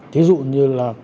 ví dụ như là